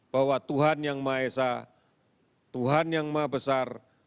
bahwa tuhan yang maha esa tuhan yang maha besar